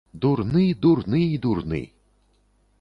Дурны, дурны і дурны.